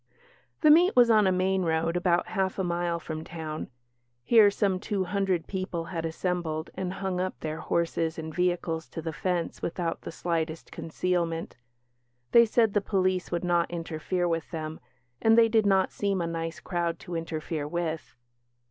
The "meet" was on a main road, about half a mile from town; here some two hundred people had assembled, and hung up their horses and vehicles to the fence without the slightest concealment. They said the police would not interfere with them and they did not seem a nice crowd to interfere with.